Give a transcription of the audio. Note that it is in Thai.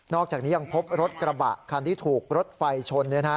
อกจากนี้ยังพบรถกระบะคันที่ถูกรถไฟชน